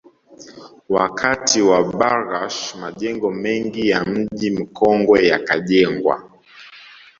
Wakati wa Bargash majengo mengi ya Mji Mkongwe yakajengwa